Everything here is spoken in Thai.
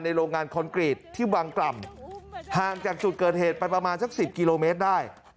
โรงงานคอนกรีตที่วังกล่ำห่างจากจุดเกิดเหตุไปประมาณสัก๑๐กิโลเมตรได้